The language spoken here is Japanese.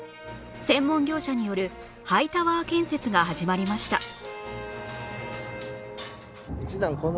専門業者によるハイタワー建設が始まりました